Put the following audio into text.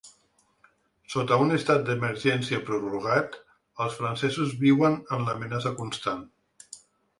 Sota un estat d’emergència prorrogat, els francesos viuen en l’amenaça constant.